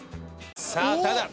さあただ。